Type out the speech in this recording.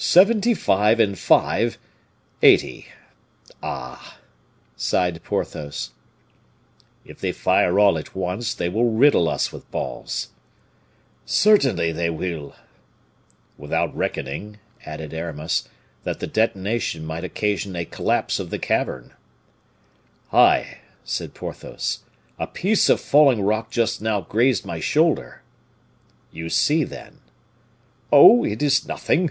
"Seventy five and five, eighty. Ah!" sighed Porthos. "If they fire all at once they will riddle us with balls." "Certainly they will." "Without reckoning," added Aramis, "that the detonation might occasion a collapse of the cavern." "Ay," said Porthos, "a piece of falling rock just now grazed my shoulder." "You see, then?" "Oh! it is nothing."